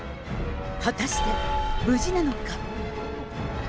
果たして無事なのか。